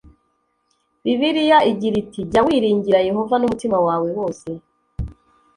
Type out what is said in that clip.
bibiliya igira iti jya wiringira yehova n umutima wawe wose